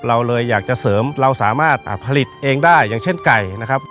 เราเลยอยากจะเสริมเราสามารถผลิตเองได้อย่างเช่นไก่นะครับ